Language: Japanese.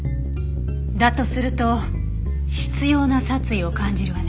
だとすると執拗な殺意を感じるわね。